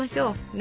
ね。